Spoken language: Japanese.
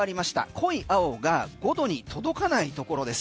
濃い青が５度に届かないところです。